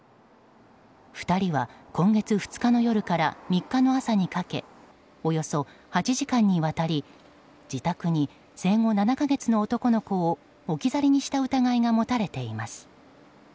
２人は今月２日の夜から３日の朝にかけておよそ８時間にわたり自宅に生後７か月の男の子を置き去りにした疑いが持たれています。